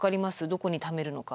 どこにためるのか。